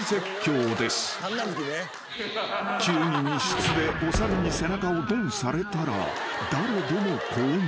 ［急に密室でお猿に背中をドンされたら誰でもこうなります］